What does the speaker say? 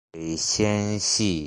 尾纤细。